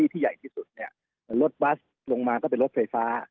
ที่ใหญ่ที่สุดเนี่ยรถบัสลงมาก็เป็นรถไฟฟ้า